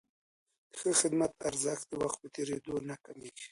د ښه خدمت ارزښت د وخت په تېرېدو نه کمېږي.